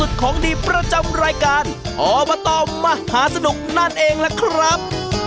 สุดของได้ราศนศาลการณ์โอบตอมหาสนุกนั่นเองล่ะครับ